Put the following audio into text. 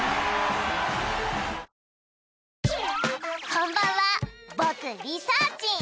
こんばんはぼくリサーちん